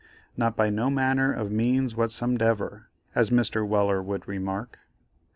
"Not by no manner of means whatsomdever," as Mr. Weller would remark.